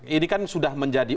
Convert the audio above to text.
ini kan sudah menjadi